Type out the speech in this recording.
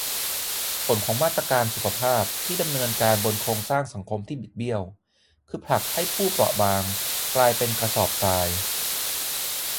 ผลของมาตรการสุขภาพที่ดำเนินการบนโครงสร้างสังคมที่บิดเบี้ยว คือผลักให้ผู้เปราะบางกลายเป็นกระสอบทราย